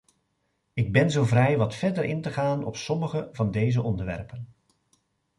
Ik ben zo vrij wat verder in te gaan op sommige van deze onderwerpen.